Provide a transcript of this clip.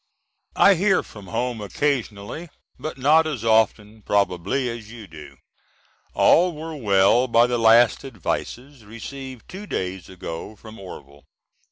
I hear from home occasionally, but not as often, probably, as you do. All were well by the last advices received two days ago from Orville.